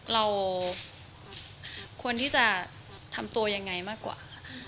เราควรที่จะทำตัวยังไงมากกว่าค่ะ